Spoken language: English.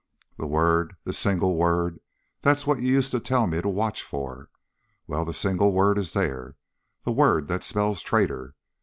"The word, the single word, that's what you used to tell me to watch for. Well, the single word is there the word that spells traitor.